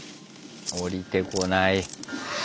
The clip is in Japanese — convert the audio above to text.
下りてこない。